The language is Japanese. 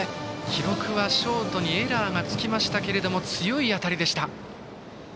記録はショートにエラーがつきましたが強い当たりでした。